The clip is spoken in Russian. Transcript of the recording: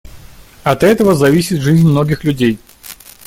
От этого зависит жизнь многих людей.